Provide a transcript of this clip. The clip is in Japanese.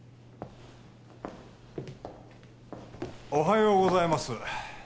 おはようございます